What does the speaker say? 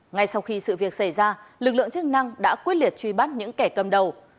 ngay sau khi sự việc xảy ra lực lượng chức năng đã quyết liệt truy bắt những kẻ cầm đầu